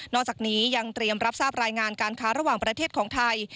อกจากนี้ยังเตรียมรับทราบรายงานการค้าระหว่างประเทศของไทย